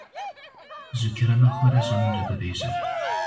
Ji kerema xwe re ji min re bibêje.